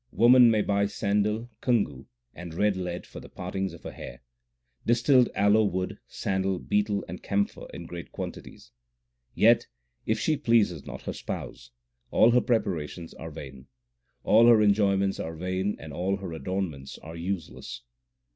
Woman may buy sandal, kungu, 4 and red lead for the partings of her hair, Distilled aloe wood, sandal, betel, and camphor in great quantities ; Yet, if she please not her Spouse, all her preparations are vain : All her enjoyments are vain, and all her adornments are useless.